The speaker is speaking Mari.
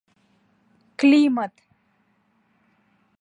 — Климат!